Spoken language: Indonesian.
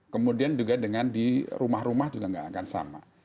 kemudian juga dengan di rumah rumah juga nggak akan sama